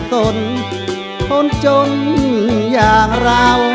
ตนคนจนอย่างเรา